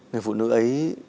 người phụ nữ ấy